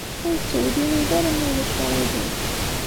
Ur ttewliwil ara, ma ulac aɣilif.